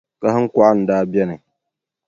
Kahiŋkɔɣu n-daa beni.